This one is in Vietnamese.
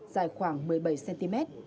dài khoảng một mươi bảy cm